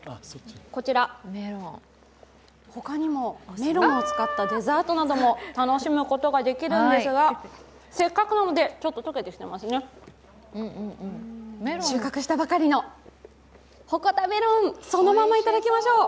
こちら、メロンを使ったデザートなども楽しむことができるんですが、せっかくなので、収穫したばかりのほこたメロン、そのままいただきましょう。